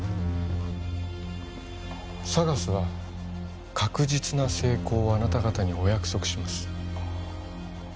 ＳＡＧＡＳは確実な成功をあなた方にお約束します